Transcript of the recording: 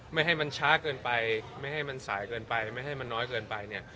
ไม่ให้มันช้าเกินไปไม่ให้มันสายเกินไปไม่ให้มันน้อยเกินไปเนี่ย